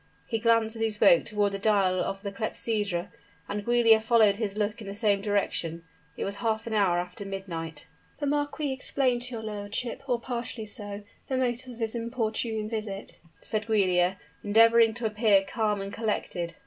He glanced as he spoke toward the dial of the clepsydra, and Giulia followed his look in the same direction; it was half an hour after midnight. "The marquis explained to your lordship, or partially so, the motive of his importunate visit," said Giulia, endeavoring to appear calm and collected.